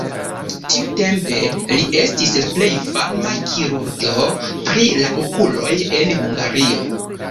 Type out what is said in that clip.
Tiutempe li estis la plej fama kirurgo pri la okuloj en Hungario.